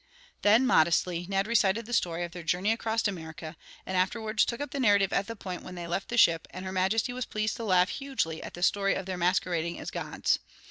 Then, modestly, Ned recited the story of their journey across America, and afterwards took up the narrative at the point when they left the ship, and her majesty was pleased to laugh hugely at the story of their masquerading as gods.